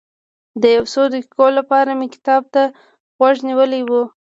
د یو څو دقیقو لپاره مې کتاب ته غوږ نیولی و.